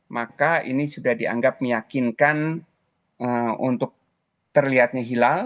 maka ini sudah dianggap meyakinkan untuk terlihatnya hilal